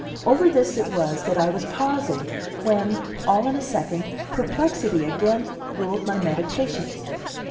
Over this it was that I was pausing when, all in a second, perplexity again ruled my meditations.